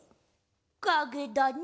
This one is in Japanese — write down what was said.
かげだね。